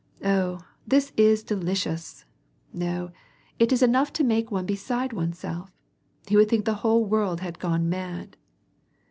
Oh, this is delicious ! No, it is enough to make one beside one's self. You would think the whole world had gone mad."